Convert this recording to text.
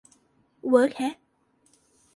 เวิร์กแฮะ